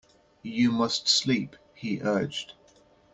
You must sleep, he urged.